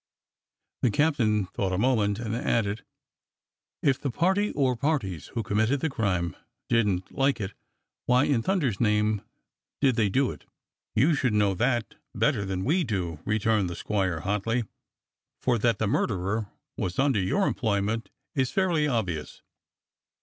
The captain thought a moment and added: "If the party or parties who committed the crime didn't like it, why, in thunder's name, did they do it.^^" THE CAPTAIN OBJECTS 85 "You should know that better than we do," returned the squire hotly, "for that the murderer was under your employment is fairly obvious."